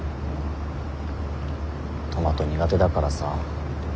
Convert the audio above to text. トマト苦手だからさ。